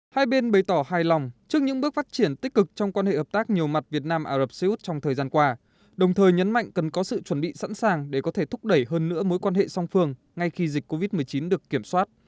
hai bên bày tỏ hài lòng trước những bước phát triển tích cực trong quan hệ hợp tác nhiều mặt việt nam ả rập xê út trong thời gian qua đồng thời nhấn mạnh cần có sự chuẩn bị sẵn sàng để có thể thúc đẩy hơn nữa mối quan hệ song phương ngay khi dịch covid một mươi chín được kiểm soát